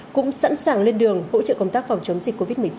cũng sẵn sàng lên đường hỗ trợ công tác phòng chống dịch covid một mươi chín